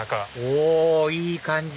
おいい感じ！